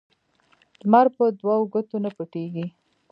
لمرپه دوو ګوتو نه پټيږي